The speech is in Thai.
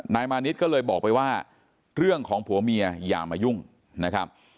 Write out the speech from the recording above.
มานิดก็เลยบอกไปว่าเรื่องของผัวเมียอย่ามายุ่งนะครับ